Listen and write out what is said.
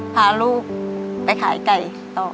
พาลูกไปขายไก่ต่อ